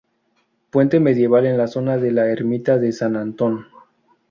Puente Medieval en la zona de la Ermita de San Antón.